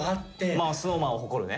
まあＳｎｏｗＭａｎを誇るね。